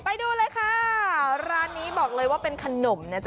ไปดูเลยค่ะร้านนี้บอกเลยว่าเป็นขนมนะจ๊